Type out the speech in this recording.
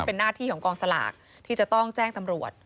เป็นหน้าที่ของกองสลากที่จะต้องแจ้งตำรวจ